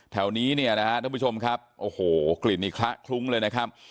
แถวนี้เนี่ยนะฮะท่านผู้ชมครับโอ้โหกลิ่นนี้คละคลุ้งเลยนะครับ